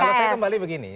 kalau saya kembali begini